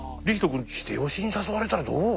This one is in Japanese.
君秀吉に誘われたらどう？